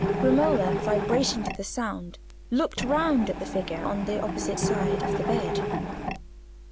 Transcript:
Romola, vibrating to the sound, looked round at the figure on the opposite side of the bed.